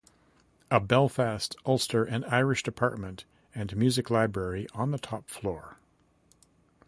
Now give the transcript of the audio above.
A Belfast, Ulster and Irish Department and Music Library on the top floor.